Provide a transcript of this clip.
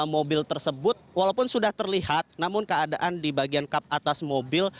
mobil tersebut walaupun sudah terlihat namun keadaan di bagian kap atas mobil